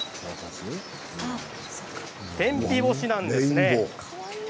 天日干しなんです。